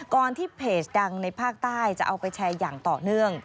ที่เพจดังในภาคใต้จะเอาไปแชร์อย่างต่อเนื่อง